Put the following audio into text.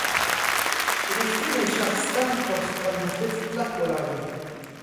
• رښتینی شخص تل پر خپل موقف کلک ولاړ وي.